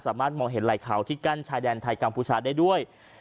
มองเห็นไหล่เขาที่กั้นชายแดนไทยกัมพูชาได้ด้วย